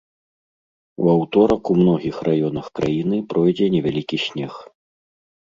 У аўторак у многіх раёнах краіны пройдзе невялікі снег.